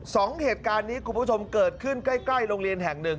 สองเหตุการณ์นี้คุณผู้ชมเกิดขึ้นใกล้ใกล้โรงเรียนแห่งหนึ่ง